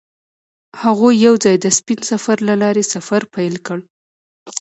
هغوی یوځای د سپین سفر له لارې سفر پیل کړ.